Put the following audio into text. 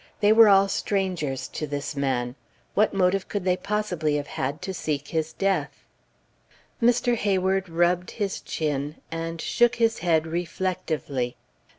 They were all strangers to this man. What motive could they possibly have had to seek his death?" Mr Hayward rubbed his chin, and shook his head reflectively.